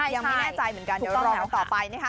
ยังไม่แน่ใจเหมือนกันเดี๋ยวรอต่อไปนะครับถูกต้องนะค่ะ